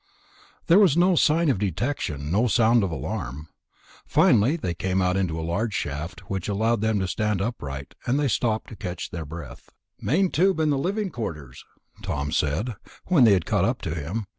But there was no sign of detection, no sound of alarm. Finally they came out into a large shaft which allowed them to stand upright, and they stopped to catch their breath. "Main tube to the living quarters," Tom said when they had caught up to him.